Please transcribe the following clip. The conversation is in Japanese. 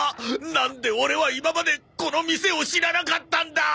なんでオレは今までこの店を知らなかったんだ！